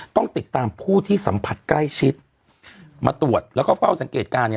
ต้องติดตามผู้ที่สัมผัสใกล้ชิดมาตรวจแล้วก็เฝ้าสังเกตการณ์เนี่ย